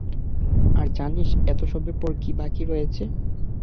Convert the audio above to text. আর জানিস, এতসবের পরে কী বাকি রয়েছে?